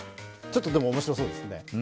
ちょっと、でも面白そうですね。